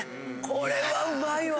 これはうまい！